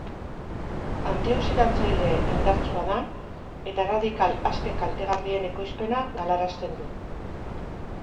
Anti-oxidatzaile indartsua da eta erradikal aske kaltegarrien ekoizpena galarazten du.